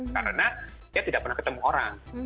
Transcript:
karena dia tidak pernah ketemu orang